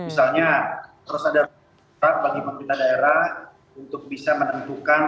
misalnya harus ada bagi pemerintah daerah untuk bisa menentukan